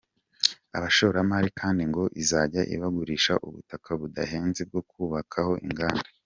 Abashoramari kandi ngo izajya ibagurisha ubutaka budahenze bwo kubakaho inganda.